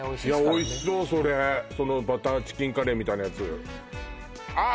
おいしそうそれそのバターチキンカレーみたいなやつあっ